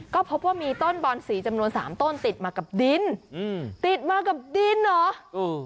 ก็พบว่ามีต้นบอนสีจำนวนสามต้นติดมากับดินอืมติดมากับดินเหรอเออ